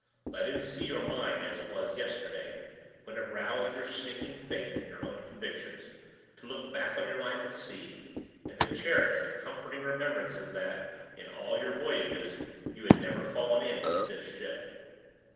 Let him see your mind as it was yesterday, when it roused your sinking faith in your own convictions, to look back on your life at sea, and to cherish the comforting remembrance that, in all your voyages, you had never fallen in with this ship.